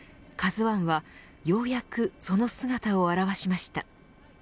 １はようやくその姿を現しました。